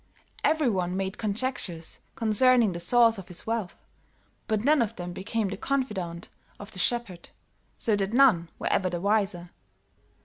Every one made conjectures concerning the source of his wealth, but none of them became the confidante of the shepherd, so that none were ever the wiser.